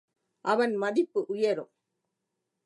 அவன் மதிப்பு உயரும்.